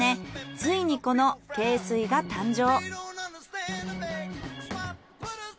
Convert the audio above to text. ついにこの恵水が誕生。